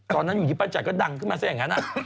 ตอนนั้นอยู่ที่ป้าจัดก็ดังขึ้นมาซะอย่างนั้น